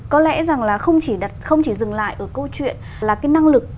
có lẽ rằng là không chỉ đặt không chỉ dừng lại ở câu chuyện là cái năng lực